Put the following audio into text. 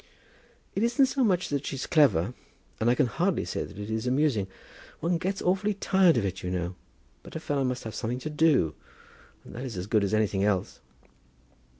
"It isn't so much that she's clever, and I can hardly say that it is amusing. One gets awfully tired of it, you know. But a fellow must have something to do, and that is as good as anything else."